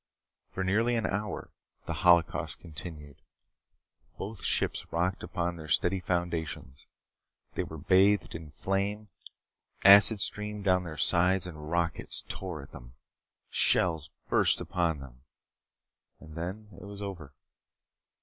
For nearly an hour, the holocaust continued. Both ships rocked upon their steady foundations. They were bathed in flame, acid streamed down their sides, and rockets tore at them. Shells burst upon them. And then it was over.